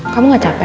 kamu gak capek